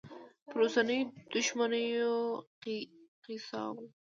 پر اوسنیو دوښمنیو یې قیاسوم.